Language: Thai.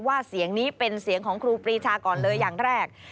เสียงนี้เป็นเสียงของครูปรีชาก่อนเลยอย่างแรก